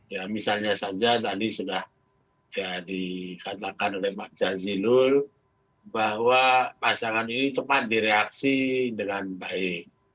ya misalnya saja tadi sudah dikatakan oleh pak jazilul bahwa pasangan ini cepat direaksi dengan baik